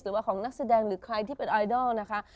หรือว่าของนักแสดงหรือใครที่เป็นไอดอลนะคะ